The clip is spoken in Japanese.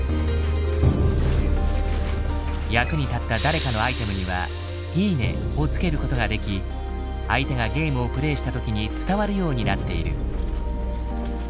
役に立った誰かのアイテムには「いいね」をつけることができ相手がゲームをプレイした時に伝わるようになっている。